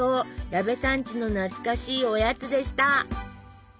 矢部さんちの懐かしいおやつでした！